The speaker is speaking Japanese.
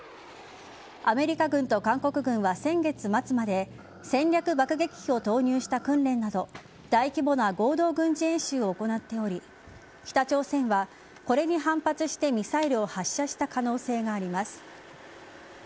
アメリカ軍と韓国軍は先月末まで戦略爆撃機を投入した訓練など大規模な合同軍事演習を行っており北朝鮮はこれに反発してミサイルを発射した可能性があります。